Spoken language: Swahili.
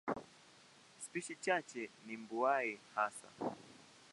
Spishi chache ni mbuai hasa.